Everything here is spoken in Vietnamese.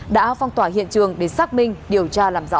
đã phong tỏa hiện trường để xác minh điều tra làm rõ